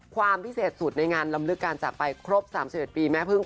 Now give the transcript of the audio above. ความพิเศษสุดในงานลำลึกการจากไปครบ๓๑ปีแม่พึ่ง